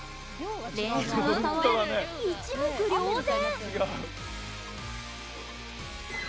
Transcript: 連射の差は一目瞭然。